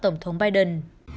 tổng thống biden